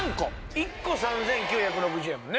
１個３９６０円やもんね？